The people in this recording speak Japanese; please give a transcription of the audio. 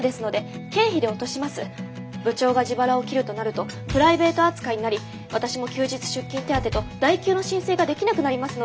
部長が自腹を切るとなるとプライベート扱いになり私も休日出勤手当と代休の申請ができなくなりますので。